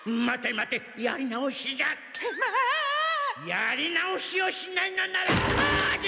やり直しをしないのならこうじゃ！